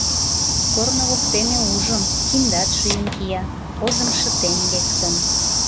— Корно воктене ужым: киндат шӱйын кия, озым шытен лектын.